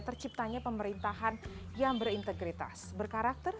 terciptanya pemerintahan yang berintegritas berkarakter